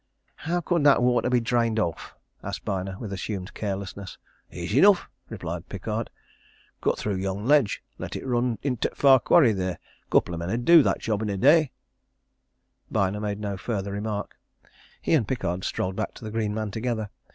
"How could that water be drained off?" asked Byner with assumed carelessness. "Easy enough!" replied Pickard. "Cut through yon ledge, and let it run into t' far quarry there. A couple o' men 'ud do that job in a day." Byner made no further remark. He and Pickard strolled back to the Green Man together.